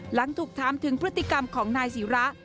หลังถูกถามถึงพฤติกรรมของนายศิระ